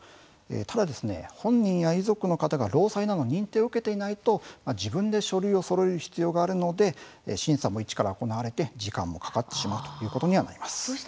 ただ、本人や遺族の方が労災などの認定を受けていないと自分で書類をそろえる必要があるので審査も一から行われて時間もかかってしまうということにはなります。